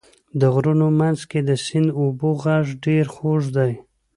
د غرونو منځ کې د سیند اوبو غږ ډېر خوږ دی.